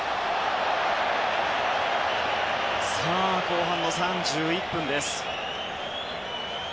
後半の３１分です。